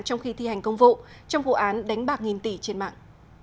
trong khi thi hành công vụ trong vụ án đánh bạc nghìn tỷ trên mạng